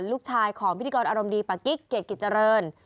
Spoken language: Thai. ลูกชายของพิธีกรอารมณ์ดีปะกิ๊กเกรดกิจเจริญ